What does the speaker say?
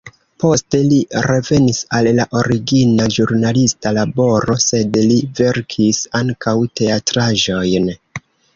Poste li revenis al la origina ĵurnalista laboro, sed li verkis ankaŭ teatraĵojn.